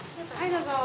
どうぞ。